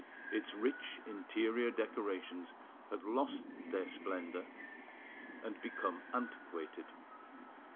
Its rich interior decorations had lost their splendour and become antiquated.